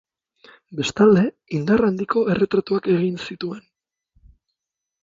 Bestalde, indar handiko erretratuak egin zituen.